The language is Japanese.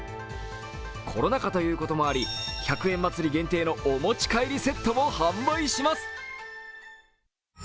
コロナ禍ということもあり１００円祭限定のお持ち帰りセットも販売いたします。